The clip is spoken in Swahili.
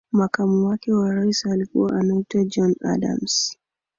makamu wake wa Rais alikuwa anaitwa John Adams